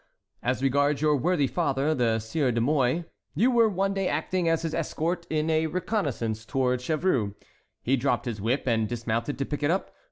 "As regards your worthy father, the Sieur de Mouy, you were one day acting as his escort in a reconnaissance toward Chevreux. He dropped his whip and dismounted to pick it up.